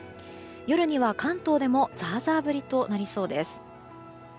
夜には関東でもザーザー降りとなりそうです。